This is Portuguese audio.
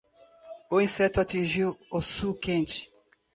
O inseto atingiu o sul quente.